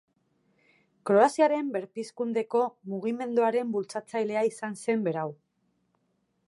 Kroaziaren berpizkundeko mugimenduaren bultzatzailea izan zen berau.